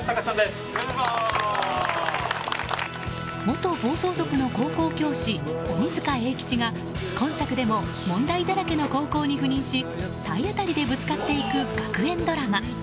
元暴走族の高校教師鬼塚英吉が今作でも問題だらけの高校に赴任し体当たりでぶつかっていく学園ドラマ。